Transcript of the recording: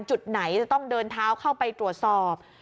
จุดไหนจะต้องเดินเท้าเข้าไปตรวจสอบ